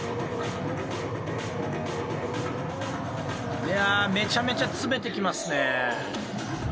いやめちゃめちゃ詰めてきますね。